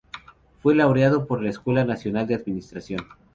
Fue laureado por la Escuela Nacional de Administración.